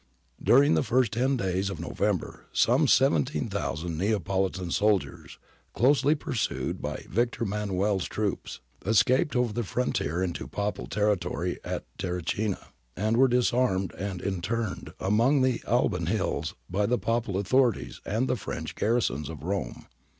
^ During the first ten days of November some 17,000 Neapolitan soldiers, closely pursued by Victor Emmanuel's troops, escaped over the frontier into Papal territory at Terracina, and were disarmed and interned among the Alban hills by the Papal authorities and the French gar rison of Rome.